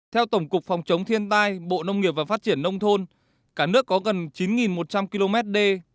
theo tổng cục phòng chống thiên tai bộ nông nghiệp và phát triển nông thôn cả nước có gần chín một trăm linh km đê